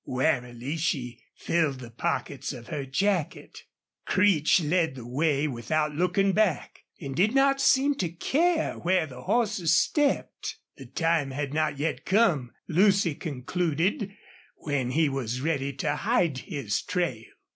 Warily she filled the pockets of her jacket. Creech led the way without looking back, and did not seem to care where the horses stepped. The time had not yet come, Lucy concluded, when he was ready to hide his trail.